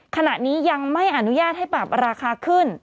ขณะนี้ยังไม่อนุญาตให้ปรับราคาขึ้น